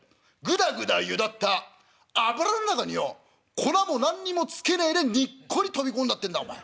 ぐだぐだゆだった油ん中によ粉も何にもつけねえでにっこり飛び込んだってんだお前。